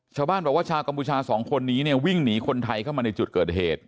ชาวบ้านบอกว่าชาวกัมพูชาสองคนนี้เนี่ยวิ่งหนีคนไทยเข้ามาในจุดเกิดเหตุ